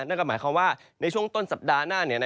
นั่นก็หมายความว่าในช่วงต้นสัปดาห์หน้า